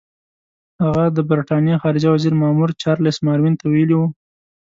هغه د برټانیې خارجه وزارت مامور چارلس ماروین ته ویلي وو.